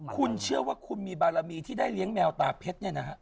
คุณเชื่อว่าคุณมีบารมีที่ได้เลี้ยงแมวตาเพชรเนี่ยนะฮะ